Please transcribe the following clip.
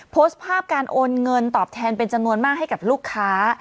โพสต์ภาพการโอนเงินตอบแทนเป็นจำนวนมากให้กับลูกค้า